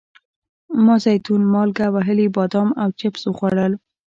ما زیتون، مالګه وهلي بادام او چپس وخوړل.